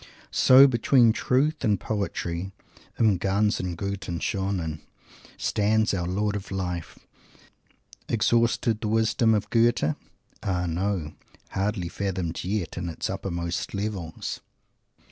So, between Truth and Poetry "im ganzen guten, schonen," stands our Lord of Life! Exhausted, the wisdom of Goethe? Ah, no! hardly fathomed yet, in its uppermost levels!